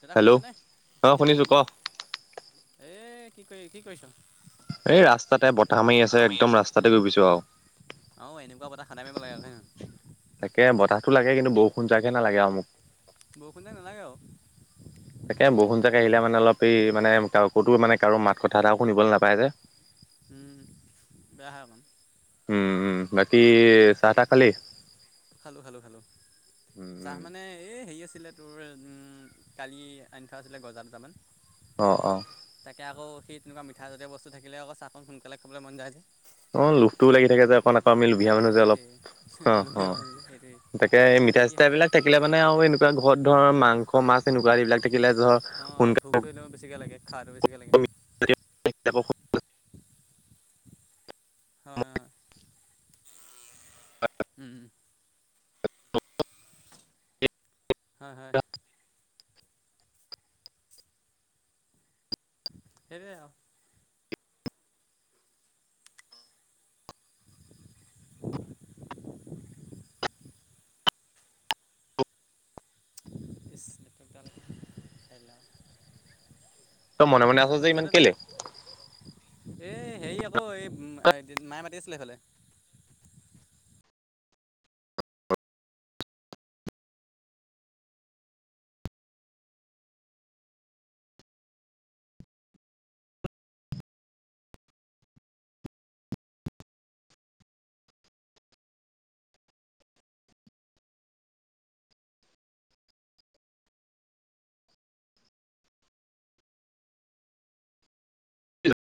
দাদা হেল্ল' শুনিছেনেে অ শুনিছেনে শুনিছো আপুনি ক এ কি কৰি কি কৰিছ? এই ৰাস্তাতে বতাহ মাৰি আছে একদম ৰাস্তাতে গৈছো আৰু। খানে মাৰিব লাগে হয় নহয়। তাকে বতাহো লাগে কিন্তু বৰষুণ যাগহে নালাগে আৰু মোক। বৰষুণ যেক নালাগে আৰু। তাকে বৰষুণ জাগে আহিলে মানে অলপ এই মানে ক'তো মানে কাৰো মাত কথা এটা শুনিবলৈ নাপায় যে উম বেয়া হয় অকণ। উম উ বাকি চাত খালো খালো খালো উম উম চাহ মানে এই হেৰি আছে ছিলে তোৰ উম কালি আন থোৱা আছিলে গজা দুতামান অ অঁ এতি আকৌ স তেনেকুৱা মিঠা জাতীয় বস্তু থাকিলে আকৌ সোনকালে খাবলৈ মন যায় অ লোভটোও লাগি থাকে যে অকণ আকৌ আমি অ লোভীয়া মানুহ যে অলপ সেইটোয়ে অ অ অলীয়া মানুহ যে সেইটো তাকে মিঠাই চিঠাই বিলাক থাকিলে মানে আৰু এনেকুৱা ঘৰত ধৰ মাংস মাছ এনেকুৱা এইবিলাক থাকিলে ধৰ অ সোনকালে ভোকটো বেছিকে লাগে খোৱাটো বেছিকে লাগে ক হয় হয় উম উম হয় হয় সেইৰি আৰু ব খ না তই মনে মনে আছ যে ইমান কেলে এই হেৰি আকৌ এই মায়ে মাতি আছিলে এইফালে কেলে